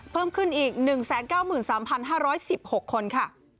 เพิ่มขึ้นอีก๑๙๓๕๑๖คนค่ะ